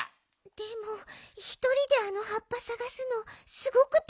でもひとりであのはっぱさがすのすごくたいへんよね。